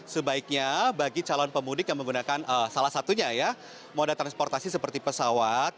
sebaiknya bagi calon pemudik yang menggunakan salah satunya ya moda transportasi seperti pesawat